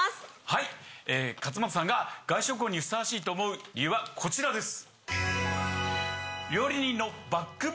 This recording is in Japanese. はい勝俣さんが外食王にふさわしいと思う理由はこちらです。